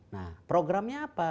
nah programnya apa